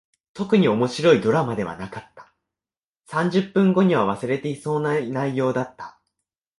特に面白いドラマではなかった。三十分後には忘れていそうな内容だった。